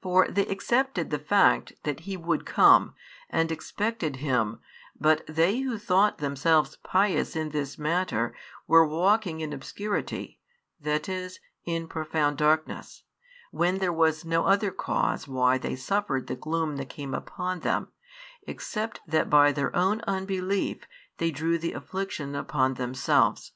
For they accepted the fact that He would come, and expected Him, but they who thought themselves pious in this matter were walking in obscurity, that is, in profound darkness, when there was no other cause why they suffered the gloom that came upon them, except that by their own unbelief they drew the affliction upon themselves.